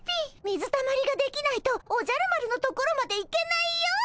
水たまりができないとおじゃる丸のところまで行けないよ。